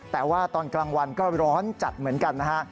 แต่ว่าตอนกลางวันก็ร้อนจัดเหมือนกันนะฮะ